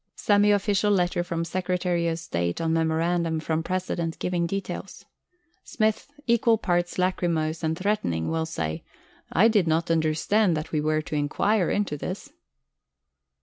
Semi official letter from Secretary of State on Memorandum from President giving details. Smith, equal parts lachrymose and threatening, will say, "I did not understand that we were to inquire into this."